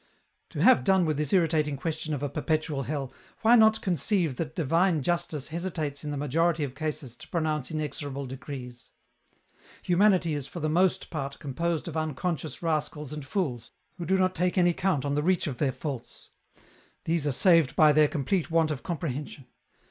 " To have done with this irritating question of a perpetual hell, why not conceive that divine justice hesitates in the majority of cases to pronounce inexorable decrees? Humanity is for the most part composed of unconscious rascals and fools, who do not take any count or the reach of their faults. These are saved by their complete want of comprehension.